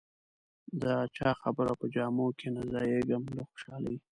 د چا خبره په جامو کې نه ځایېږم له خوشالۍ.